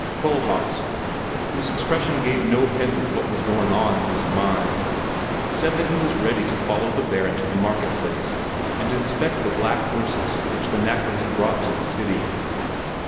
Kohlhaas, whose expression gave no hint of what was going on in his mind, said that he was ready to follow the Baron to the market place and inspect the black horses which the knacker had brought to the city.